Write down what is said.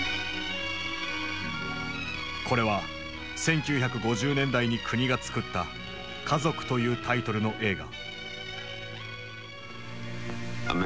これは１９５０年代に国が作った「家族」というタイトルの映画。